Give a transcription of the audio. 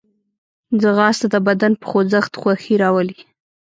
ځغاسته د بدن په خوځښت خوښي راولي